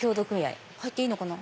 入っていいのかな？